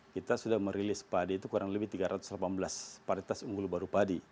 kita sudah merilis padi itu kurang lebih tiga ratus delapan belas paritas unggul baru padi